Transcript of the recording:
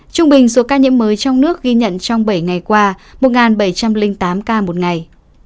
trung bình số ca nhiễm mới trong nước ghi nhận trong bảy ngày qua một bảy trăm linh tám ca một ngày